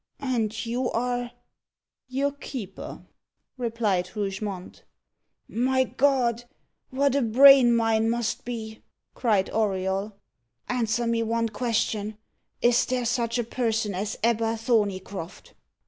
"And you are " "Your keeper," replied Rougemont. "My God! what a brain mine must be!" cried Auriol. "Answer me one question Is there such a person as Ebba Thorneycroft?"